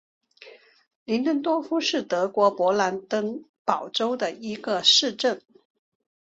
林登多夫是德国勃兰登堡州的一个市镇。